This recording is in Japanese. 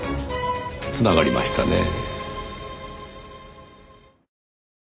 繋がりましたねぇ。